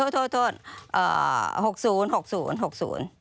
โทษ